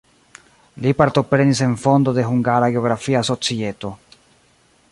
Li partoprenis en fondo de "Hungara Geografia Societo".